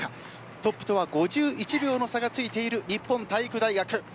トップとは５１秒の差がついている日本体育大学。